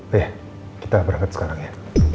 oh iya kita berangkat sekarang ya